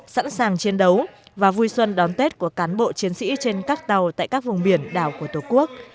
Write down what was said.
sẵn sàng chiến đấu và vui xuân đón tết của cán bộ chiến sĩ trên các tàu tại các vùng biển đảo của tổ quốc